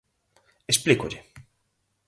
Explícolle.